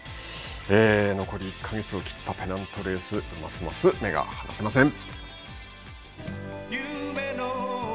残り１か月を切ったペナントレースますます目が離せません。